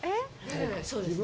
そうですね。